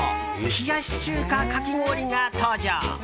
冷やし中華かき氷が登場。